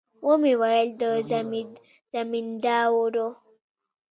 ومې ويل د زمينداورو.